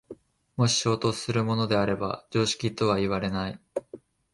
もし衝突するものであれば常識とはいわれない。